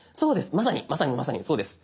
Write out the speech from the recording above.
まさにまさにまさにそうです。